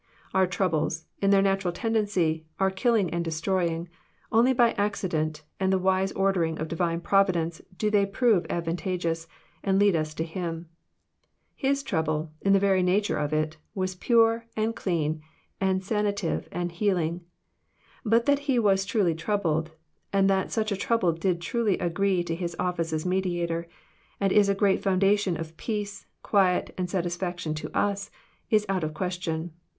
— Our troubles, in their natu* ral tendency, are killing and destroying ; only by accident and the wise ordering of Divine providence do they prove advanta geous, and lead us to Him ; His trouble, in the very nature of it, was pure, and clean, and sanative, and healing. — But that He was truly troubled, and that such a trouble did truly agree to His office as Mediator, and is a great foundation of peace, quiet, and satisfaction to us, is out of question.